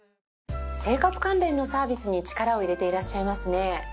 生活関連のサービスに力を入れていらっしゃいますね。